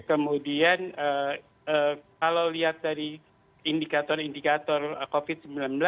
kemudian kalau lihat dari indikator indikator covid sembilan belas